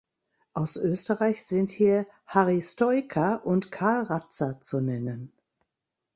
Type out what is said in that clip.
Aus Österreich sind hier Harri Stojka und Karl Ratzer zu nennen.